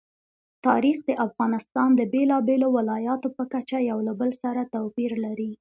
تاریخ د افغانستان د بېلابېلو ولایاتو په کچه یو له بل سره توپیر لري.